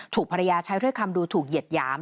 ภรรยาใช้ถ้อยคำดูถูกเหยียดหยาม